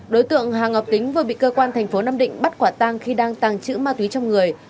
đối tượng hà ngọc tính vừa bị cơ quan tp nam định bắt quả tang khi đang tàng chữ ma túy trong người